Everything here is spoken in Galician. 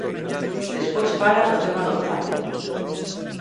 Despois fala do tema do orzamento.